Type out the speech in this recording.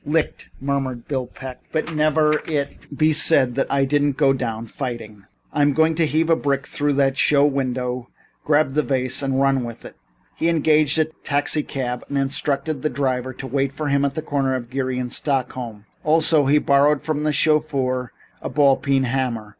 "Licked," murmured Bill Peck, "but never let it be said that I didn't go down fighting. I'm going to heave a brick through that show window, grab the vase and run with it." He engaged a taxicab and instructed the driver to wait for him at the corner of Geary and Stockton Streets. Also, he borrowed from the chauffeur a ball peen hammer.